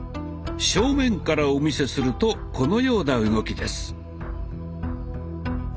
正面からお見せするとこのような動きです。